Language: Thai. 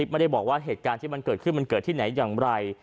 ไม่ได้บอกว่าเหตุการณ์ที่มันเกิดขึ้นมันเกิดที่ไหนอย่างไร